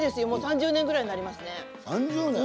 もう３０年ぐらいになりますね。